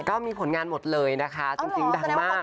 ก็มีผลงานหมดเลยนะคะจริงดังมาก